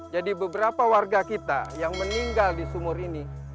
jadi beberapa warga kita yang meninggal di sumur ini